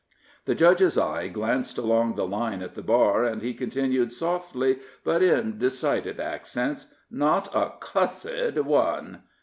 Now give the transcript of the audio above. The judge's eye glanced along the line at the bar, and he continued softly, but in decided accents "Not a cussed one.